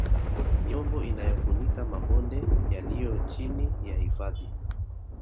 Miombo inayofunika mabonde yaliyo chini ya hifadhi